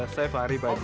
saya fari pak eji